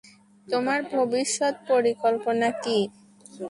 তোমার ভবিষ্যৎ পরিকল্পনা কী?